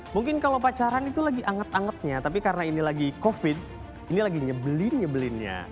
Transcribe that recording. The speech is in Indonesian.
mungkin kalau pacaran itu lagi anget angetnya tapi karena ini lagi covid ini lagi nyebelin nyebelinnya